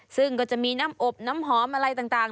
ซึ่งก็จะมีน้ำอบน้ำหอมอะไรต่าง